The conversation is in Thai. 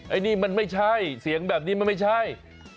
อันนี้มันไม่ใช่เสียงแบบนี้มันไม่ใช่